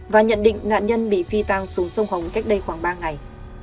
và nhận định nạn nhân bị phi tang xuống sông hồng cách đây khoảng ba ngày